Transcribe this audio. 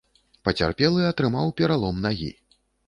Пацярпелы атрымаў пералом нагі.